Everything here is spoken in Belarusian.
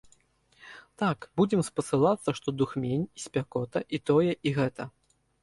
Так, будзем спасылацца, што духмень, і спякота, і тое, і гэта.